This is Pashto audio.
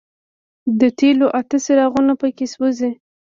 د تېلو اته څراغونه په کې سوځي.